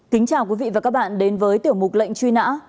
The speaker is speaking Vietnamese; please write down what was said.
kính chào quý vị và các bạn đến với tiểu mục lệnh truy nã